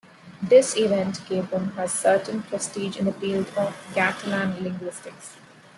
This event gave him a certain prestige in the field of Catalan linguistics.